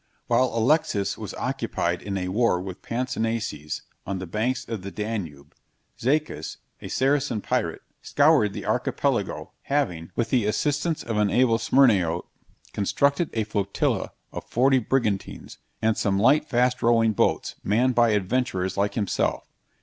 While Alexis was occupied in a war with Patzinaces, on the banks of the Danube, Zachas, a Saracen pirate, scoured the Archipelago, having, with the assistance of an able Smyrniote, constructed a flotilla of forty brigantines, and some light fast rowing boats, manned by adventurers like himself.